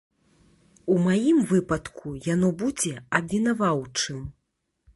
У маім выпадку яно будзе абвінаваўчым.